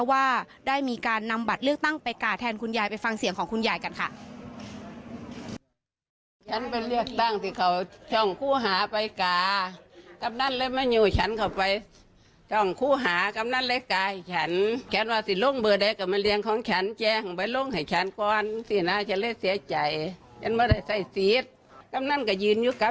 ว่าได้มีการนำบัตรเลือกตั้งไปก่าแทนคุณยายไปฟังเสียงของคุณยายกันค่ะ